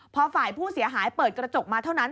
พอฝ่ายผู้เสียหายเปิดกระจกมาเท่านั้น